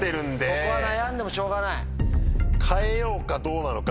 ここは悩んでもしょうがない。